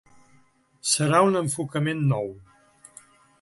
Serà un enfocament nou.